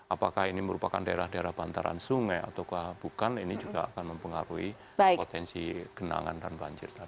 apakah ini merupakan daerah daerah bantaran sungai atau bukan ini juga akan mempengaruhi potensi genangan dan banjir